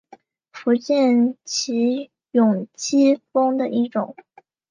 福建畸脉姬蜂的一种。